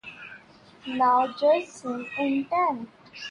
Now, judges seem intent on imposing same-sex marriage by fiat.